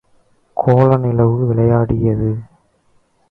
கோல நிலவு விளையாடியது.